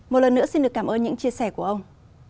một lần nữa xin được cảm ơn những chia sẻ của ông